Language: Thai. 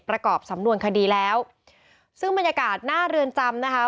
ประกอบสำนวนคดีแล้วซึ่งบรรยากาศหน้าเรือนจำนะคะ